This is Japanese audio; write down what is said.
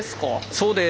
そうです。